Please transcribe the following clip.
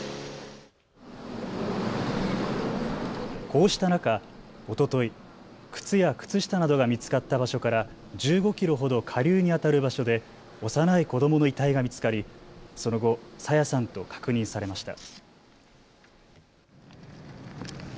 こうした中、おととい靴や靴下などが見つかった場所から１５キロほど下流にあたる場所で幼い子どもの遺体が見つかり、その後、朝芽さんと確認されました。